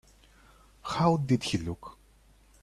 How did he look?